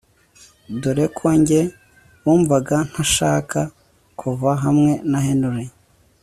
dore ko njye bumvaga ntashaka kuva hamwe na Henry